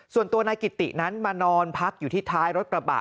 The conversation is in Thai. ส่วนตัวนายกิตินั้นมานอนพักอยู่ที่ท้ายรถกระบะ